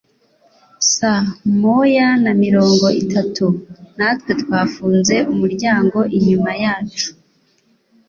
Saa moya na mirongo itatu, natwe twafunze umuryango inyuma yacu.